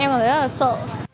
em cảm thấy rất là sợ